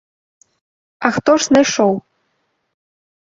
А хто ж знайшоў.